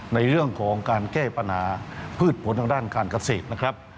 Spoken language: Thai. ในเรื่องของการแก้ปัญหาพืชผลทางด้านการเกษตรนะครับ